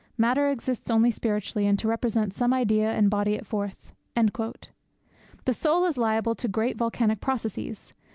Matter exists only spiritually, and to represent some idea and body it forth.' The soul is liable to great volcanic processes.